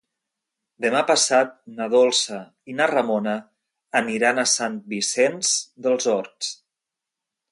Demà passat na Dolça i na Ramona aniran a Sant Vicenç dels Horts.